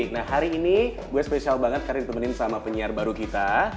nah hari ini gue spesial banget karena ditemenin sama penyiar baru kita